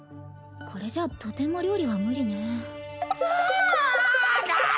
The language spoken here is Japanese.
これじゃとても料理は無理ね。